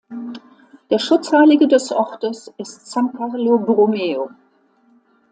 Der Schutzheilige des Ortes ist "San Carlo Borromeo".